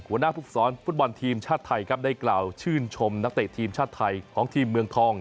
หัวหน้าภูมิสอนฟุตบอลทีมชาติไทยครับได้กล่าวชื่นชมนักเตะทีมชาติไทยของทีมเมืองทอง